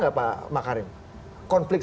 nggak pak makarim konflik